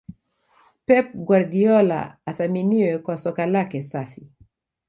pep guardiola athaminiwe kwa Soka lake safi